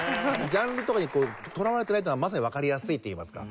ジャンルとかにとらわれてないっていうのがまさにわかりやすいっていいますか。